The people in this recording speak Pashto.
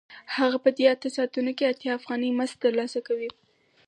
هغه په دې اته ساعتونو کې اتیا افغانۍ مزد ترلاسه کوي